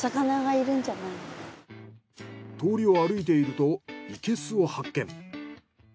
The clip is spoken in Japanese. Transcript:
通りを歩いているといけすを発見。